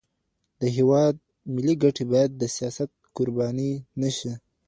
د هيواد ملي ګټي بايد د سياست قرباني نشي.